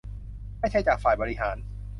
ไม่ใช่จากฝ่ายบริหาร